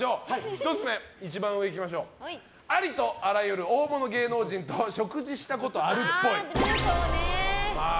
１つ目、ありとあらゆる大物芸能人と食事したことあるっぽい。